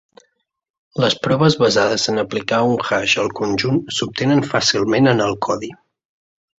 Les proves basades en aplicar un hash al conjunt s'obtenen fàcilment en el codi.